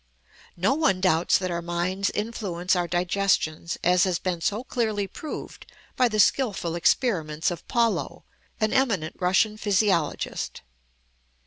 No one doubts that our minds influence our digestions as has been so clearly proved by the skillful experiments of Pawlow, an eminent Russian physiologist.